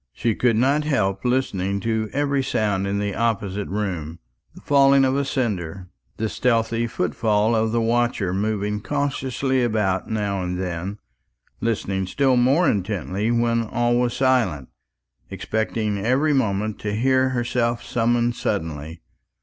She could not help listening to every sound in the opposite room the falling of a cinder, the stealthy footfall of the watcher moving cautiously about now and then; listening still more intently when all was silent, expecting every moment to hear herself summoned suddenly.